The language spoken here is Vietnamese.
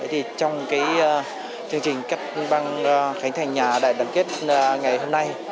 trong chương trình cắt băng khánh thành nhà đại đoàn kết ngày hôm nay